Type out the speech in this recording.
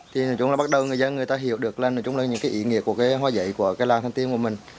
thì nói chung là bắt đầu người dân người ta hiểu được là nói chung là những cái ý nghĩa của cái hoa giấy của cái làng thần tiên của mình